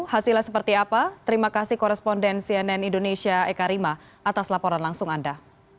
hasilnya seperti apa terima kasih koresponden cnn indonesia eka rima atas laporan langsung anda